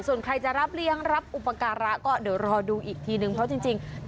ส่วนใครจะรับเลี้ยงรับอุปกรณ์ซ่อนก็รอดูอีกทีนึง